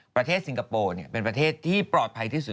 ซิงคโปร์เป็นประเทศที่ปลอดภัยที่สุด